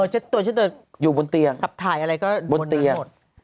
เช็ดตัวกับถ่ายอะไรก็บนเตียง